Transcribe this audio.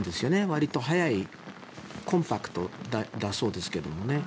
わりと速いコンパクトだそうですけどもね。